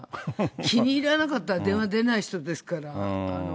気に入らなかったら電話出ない人ですから。